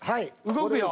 動くよ。